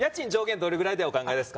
どれぐらいでお考えですか？